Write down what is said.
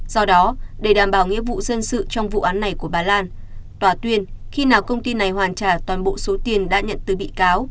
do đó để đảm bảo nghĩa vụ dân sự trong vụ án này của bà lan tòa tuyên khi nào công ty này hoàn trả toàn bộ số tiền đã nhận từ bị cáo